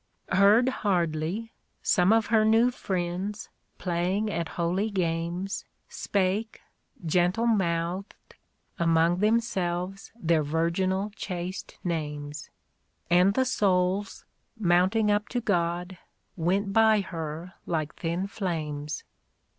... Heard hardly, some of her new friends, Playing at holy games. Spake, gentle mouthed, among themselves Their virginal chaste names ; And the souls, mounting up to God, Went by her like thin flames.